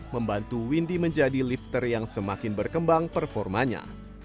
membantu windy menjadi lifter yang semakin berkembang performanya